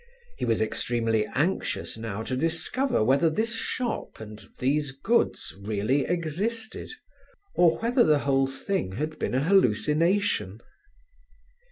He was extremely anxious now to discover whether this shop and these goods really existed, or whether the whole thing had been a hallucination.